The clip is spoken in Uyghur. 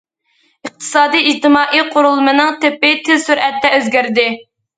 ئىقتىسادىي، ئىجتىمائىي قۇرۇلمىنىڭ تىپى تېز سۈرئەتتە ئۆزگەردى.